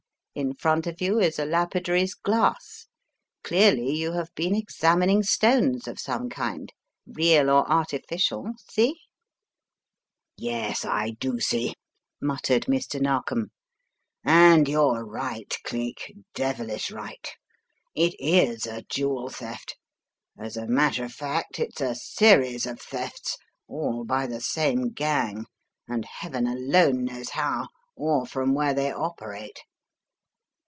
* In front of you is a lapidary's glass. Clearly you have been examining stones of some kind, real or artificial, see?" The Threads of Chance 53 "Yes, I do see," muttered Mr. Narkom. "And you're right Cleek, devilish right. It is a jewel theft. As a matter of fact, it's a series of thefts, all by the same gang, and Heaven alone knows how, or from where they operate."